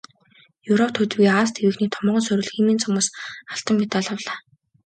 Европ төдийгүй Ази тивийнхний томоохон сорил "Химийн цом"-оос алтан медаль авлаа.